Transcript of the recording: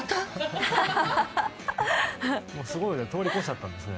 すごいを通り越しちゃったんですね。